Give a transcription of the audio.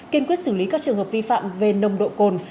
kiên quyết xử lý các trường hợp vi phạm về nồng độ cồn